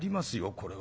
これは。